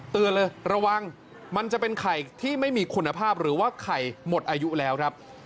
เตือนเลยระวังมันจะเป็นไข่ที่ไม่มีคุณภาพหรือว่าไข่หมดอายุแล้วครับ